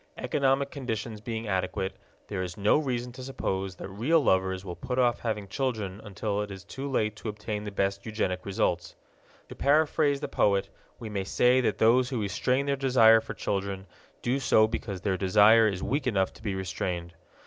Economic conditions being adequate, there is no reason to suppose that real lovers will put off having children until it is too late to obtain the best eugenic results. To paraphrase the poet, we may say that those who restrain their desire for children do so because their desire is weak enough to be restrained.